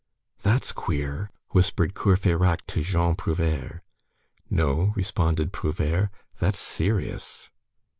"That's queer!" whispered Courfeyrac to Jean Prouvaire. "No," responded Prouvaire, "that's serious."